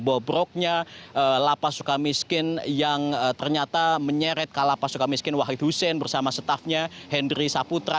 bobroknya lapa suka miskin yang ternyata menyeret ke lapa suka miskin wahid hussein bersama staffnya hendry saputra